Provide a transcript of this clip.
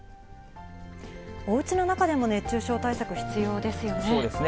おうちの中でも熱中症対策必そうですね。